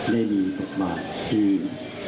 ได้มีกฎหมายหรือ